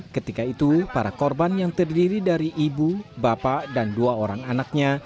ketika itu para korban yang terdiri dari ibu bapak dan dua orang anaknya